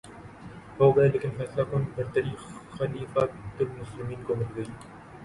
ہوگئے لیکن فیصلہ کن برتری خلیفتہ المسلمین کو مل گئ